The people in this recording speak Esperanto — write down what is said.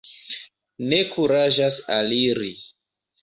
Ne kuraĝas aliri.